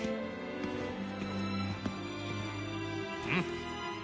うん。